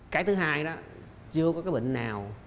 cái thứ hai đó chưa có cái bệnh nào